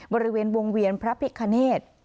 บริเวณวงเวียนพระพิคเนธ